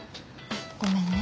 ごめんね。